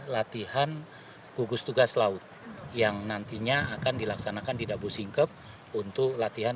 latihan gugus tugas laut yang nantinya akan dilaksanakan di dabu singkep untuk latihan